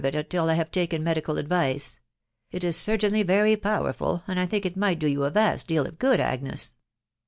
it till I have taken medical advice .... it is certainly wrj powerful, and I think it might do you a vast deal of good, Agnes."